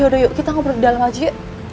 yaudah yuk kita ngobrol di dalam aja yuk